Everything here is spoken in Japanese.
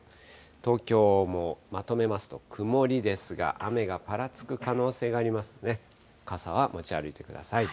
東京もまとめますと、曇りですが、雨がぱらつく可能性がありますので、傘は持ち歩いてください。